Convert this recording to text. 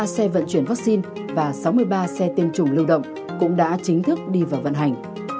sáu mươi ba xe vận chuyển vắc xin và sáu mươi ba xe tiêm chủng lưu động cũng đã chính thức đi vào vận hành